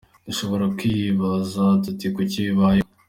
Dushobora kwibaza tuti: kuki bibaye ubu?